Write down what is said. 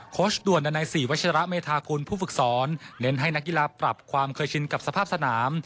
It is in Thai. โค้ชด่วนดันไหนสี่วัชระเมธาคุณผู้ฝึกซ้อนเน้นให้นักยิลาปรับความเคยชินกับสภาพสนาม